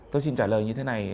tôi xin trả lời như thế này